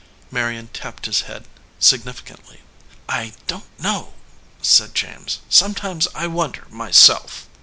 Marion tapped his head significantly. "I don t know," said James. "Sometimes I wonder myself."